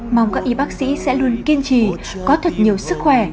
mong các y bác sĩ sẽ luôn kiên trì có thật nhiều sức khỏe